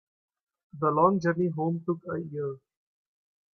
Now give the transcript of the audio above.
The long journey home took a year.